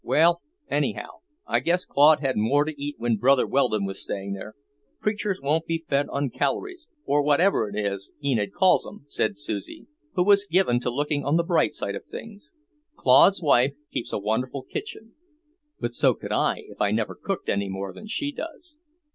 "Well, anyhow, I guess Claude had more to eat when Brother Weldon was staying there. Preachers won't be fed on calories, or whatever it is Enid calls 'em," said Susie, who was given to looking on the bright side of things. "Claude's wife keeps a wonderful kitchen; but so could I, if I never cooked any more than she does."